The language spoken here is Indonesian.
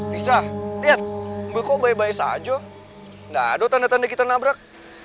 rissa lihat mobil kok baik baik saja tidak ada tanda tanda kita menabrak